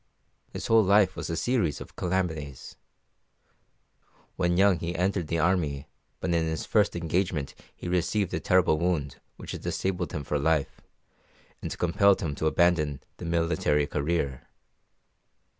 His whole life was a series of calamities. When young he entered the army, but in his first engagement he received a terrible wound which disabled him for life and compelled him to abandon the military career.